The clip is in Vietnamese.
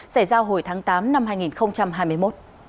xảy ra hồi tháng tám năm hai nghìn hai mươi một